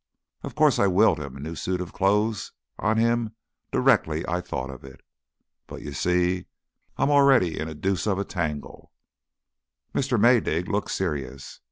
Of course I willed him a new suit of clothes on him directly I thought of it. But, you see, I'm already in a deuce of a tangle " Mr. Maydig looked serious.